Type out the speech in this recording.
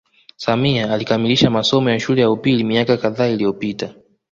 Samia alikamilisha masomo ya shule ya upili miaka kadhaa iliyopita